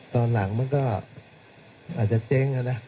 ตอนหลังมันก็อาจจะเจ๊งอะนะ